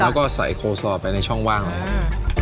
แล้วก็ใส่โปรโซร์ไปในช่องว่างเอง